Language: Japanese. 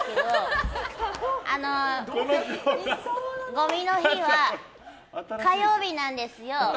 ゴミの日は火曜日なんですよ。